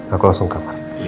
aku langsung ke kamar